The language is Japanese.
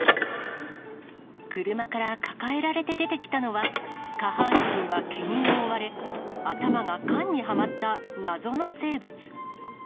車から抱えられて出てきたのは、下半身は毛に覆われ、頭は缶にはまった謎の生物。